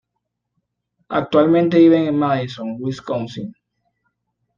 Actualmente viven en Madison, Wisconsin.